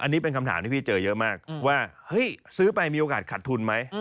อันนี้เป็นคำถามที่พี่เจอเยอะมากว่าเฮ้ยซื้อไปมีโอกาสขัดทุนไหม